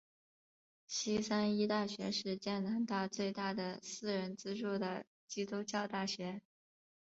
西三一大学是加拿大最大的私人资助的基督教大学。